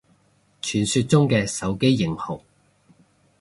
傳說中嘅手機型號